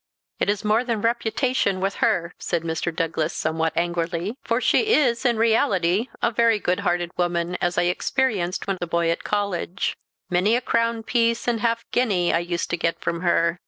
"It is more than reputation with her," said Mr. Douglas, somewhat angrily: "for she is, in reality, a very good hearted woman, as I experienced when a boy at college. Many a crown piece and half guinea I used to get from her.